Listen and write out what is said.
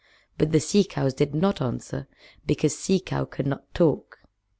But the sea cows did not answer because Sea Cow cannot talk.